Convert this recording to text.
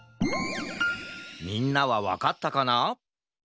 みんなはわかったかな？